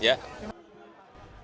diselenggarakan dengan perkembangan